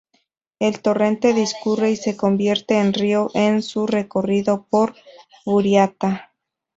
El torrente discurre y se convierte en río en su recorrido por Buriatia.